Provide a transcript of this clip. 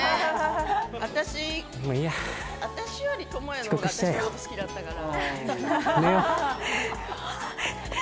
私より倫也のほうが好きだったから。